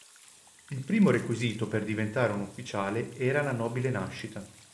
Il primo requisito per diventare un ufficiale era nobile nascita.